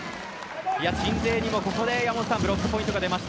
鎮西にもここでブロックポイントが出ました。